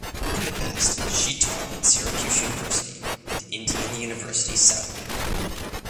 In the past she taught at Syracuse University and Indiana University South Bend.